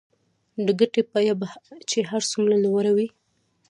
د ګټې بیه چې هر څومره لوړه وي